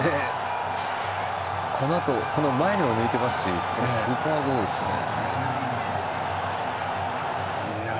この前にも抜いてますしスーパーゴールですね。